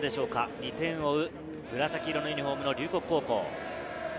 ２点を追う紫色のユニホーム、龍谷高校。